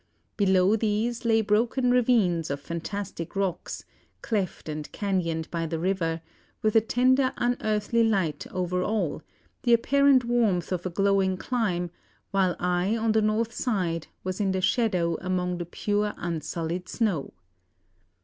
Below these lay broken ravines of fantastic rocks, cleft and canyoned by the river, with a tender unearthly light over all, the apparent warmth of a glowing clime, while I on the north side was in the shadow among the pure unsullied snow.